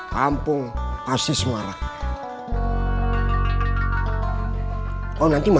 sudah gak ada muslim